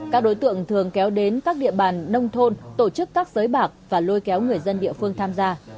các đối tượng thường kéo đến các địa bàn nông thôn tổ chức các giới bạc và lôi kéo người dân địa phương tham gia